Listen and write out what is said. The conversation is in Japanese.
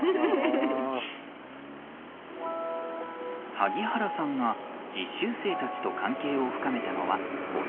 萩原さんが実習生たちと関係を深めたのは５年前。